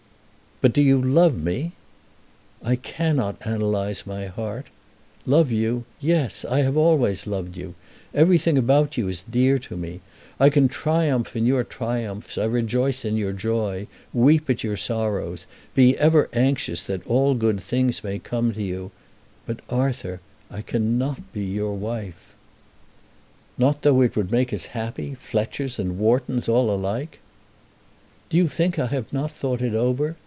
"But do you love me?" "I cannot analyse my heart. Love you; yes! I have always loved you. Everything about you is dear to me. I can triumph in your triumphs, rejoice at your joy, weep at your sorrows, be ever anxious that all good things may come to you; but, Arthur, I cannot be your wife." "Not though it would make us happy, Fletchers and Whartons all alike?" "Do you think I have not thought it over?